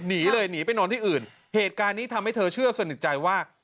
หนีเลยหนีไปนอนที่อื่นเหตุการณ์นี้ทำให้เธอเชื่อสนิทใจว่า